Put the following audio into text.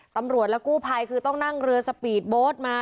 ตำรวจและกู้ภัยคือต้องนั่งเรือสปีดโบ๊ทมา